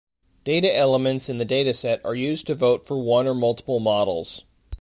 Data elements in the dataset are used to vote for one or multiple models.